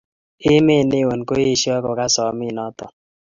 Emet newon koesho kokas samet noton.